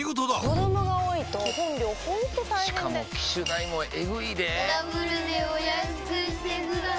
子供が多いと基本料ほんと大変でしかも機種代もエグいでぇダブルでお安くしてください